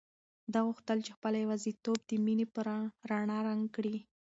ده غوښتل چې خپله یوازیتوب د مینې په رڼا رنګ کړي.